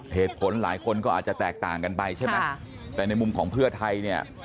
เหตุผลหลายคนก็อาจจะแตกต่างกันไปใช่ไหมแต่ในมุมของเพื่อไทยเนี่ย